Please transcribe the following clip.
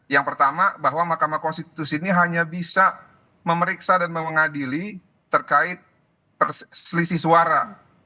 yang pertama bahwa mahkamah konstitusi ini hanya bisa memeriksa dan mengadili terkait selisih suara